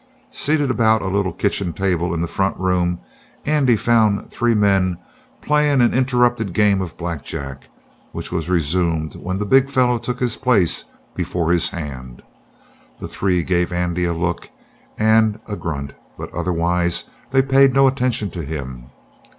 Seated about a little kitchen table in the front room, Andy found three men playing an interrupted game of blackjack, which was resumed when the big fellow took his place before his hand. The three gave Andy a look and a grunt, but otherwise they paid no attention to him.